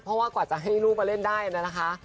เพราะว่ากว่ากว่าจะให้ลูกมาเล่นได้แล้ว